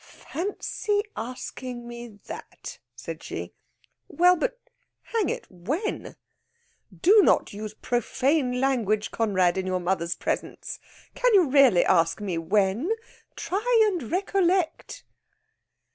"Fancy asking me that!" said she. "Well, but hang it! when?" "Do not use profane language, Conrad, in your mother's presence. Can you really ask me, 'When?' Try and recollect!"